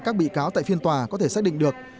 các bị cáo tại phiên tòa có thể xác định được